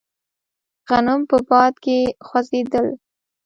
غنم په باد کې خوځېدل.